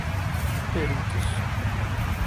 peritos